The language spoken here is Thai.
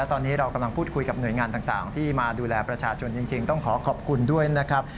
ตอนนี้เรากำลังพูดคุยกับหน่วยงานต่างที่มาดูแลประชาชนจริงต้องขอขอบคุณด้วยนะครับ